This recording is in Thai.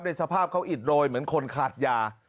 สภาพเขาอิดโรยเหมือนคนขาดยา